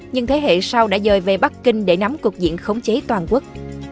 nhưng thế hệ sau đã dời về bắc kinh để nắm cuộc diện khống chế toàn quốc